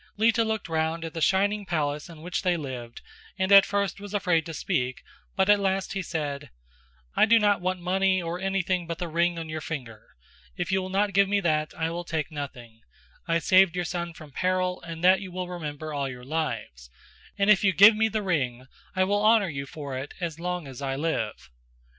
Lita looked round at the shining palace in which they lived and at first was afraid to speak but at last he said: "I do not want money or anything but the ring on your finger: if you will not give me that, I will take nothing; I saved your son from peril and that you will remember all your lives, and if you give me the ring I will honour you for it as long as I live."